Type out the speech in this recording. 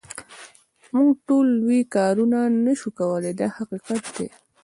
موږ ټول لوی کارونه نه شو کولای دا حقیقت دی.